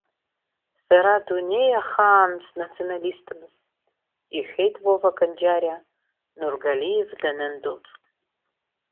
Сара дунеи ахаан снационалистмызт, — иҳәеит Вова Канџьариа, Нургалиев данындәылҵ.